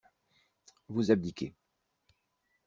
Vous abdiquez.